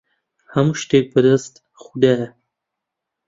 هەموو شتێک بەدەست خودایە.